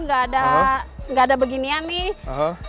gak ada beginian nih